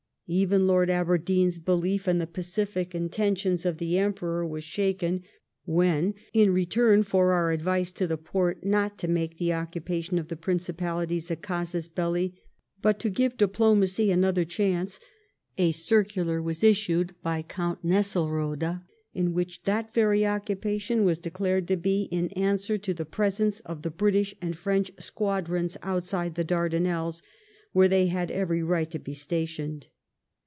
Even Lord Aberdeen's belief in the pacific intentions of the Emperor was shaken when, in return for our advice to the Porte not to make the occupation of the Principalities a casus belli, but to give diplomacy another chance, a circular was issued by Count Nessel rode, in which that very occupation was declared to be in answer to the presence of the British and French squadrons outside the Dardanelles, where they had every right to be stationed.